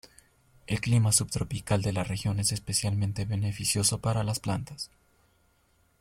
El clima subtropical de la región es especialmente beneficioso para las plantas.